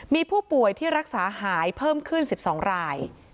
มีผู้ป่วยที่รักษาหายเพิ่มขึ้น๑๒ราย